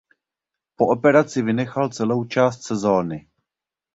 Po operaci vynechal celou část sezóny.